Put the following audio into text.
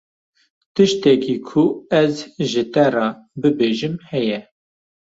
Tiştekî ku ez ji te re bibêjim heye.